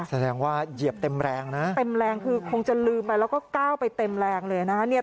แสดงว่าเหยียบเต็มแรงนะเต็มแรงคือคงจะลืมไปแล้วก็ก้าวไปเต็มแรงเลยนะฮะ